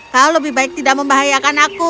kau lebih baik tidak membahayakan aku